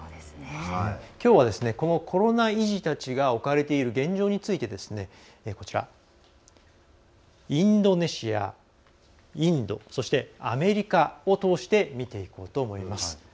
きょうはこのコロナ遺児たちが置かれている現状についてインドネシア、インドそしてアメリカを通して見ていこうと思います。